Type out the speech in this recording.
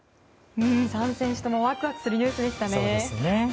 ３選手ともワクワクするニュースでしたね。